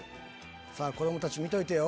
子供たち見といてよ。